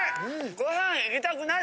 ご飯いきたくなる！